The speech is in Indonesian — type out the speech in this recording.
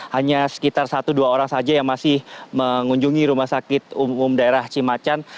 hanya sekitar satu dua orang saja yang masih mengunjungi rumah sakit umum daerah cimacan